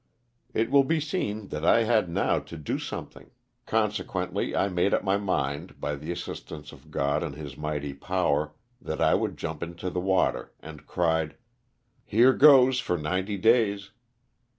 It will be seen that I had now to do something, con sequently, I made up my mind, by the assistance of God and his mighty power, that I would jump into the water, and cried *' Here goes for ninety days.'